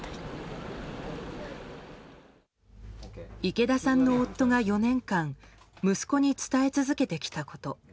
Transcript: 池田さんの夫が４年間息子に伝え続けてきたこと。